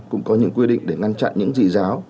cũng có những quy định để ngăn chặn những gì giáo